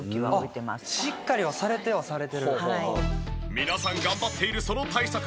皆さん頑張っているその対策